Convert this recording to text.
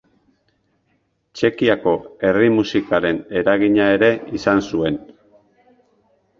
Txekiako herri-musikaren eragina ere izan zuen.